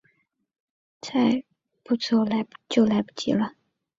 再不走就来不及了